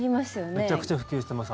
めちゃくちゃ普及してます